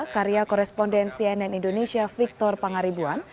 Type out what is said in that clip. karya koresponden cnn indonesia victor pangaribuan